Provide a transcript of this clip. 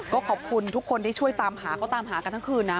ก็ขอบคุณทุกคนที่ช่วยตามหาเขาตามหากันทั้งคืนนะ